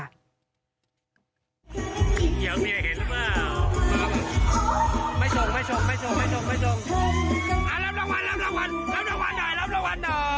อยากเมียเห็นหรือเปล่า